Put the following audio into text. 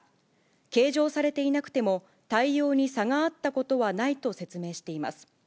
計上されていなくても対応に差があったことはないと説明しています。